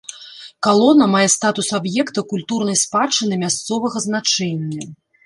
Калона мае статус аб'екта культурнай спадчыны мясцовага значэння.